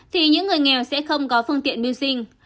thì những người nghèo sẽ không có phương tiện mưu sinh